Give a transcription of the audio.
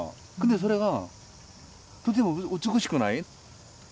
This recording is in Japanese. でそれがとても美しくない？